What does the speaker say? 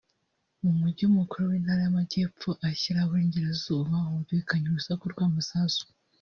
mu mujyi mukuru w’intara y’amajyepfo ashyira uburengerazuba humvikanye urusaku rw’amasasu